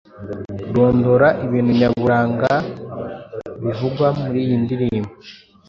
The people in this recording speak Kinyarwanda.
Rondora ibintu nyaburanga bivugwa muri iyi ndirimbo.